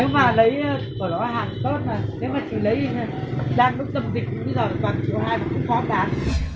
nếu mà lấy của nó hàng tốt mà nếu mà chỉ lấy đang đúng tâm vịch bây giờ là khoảng triệu hai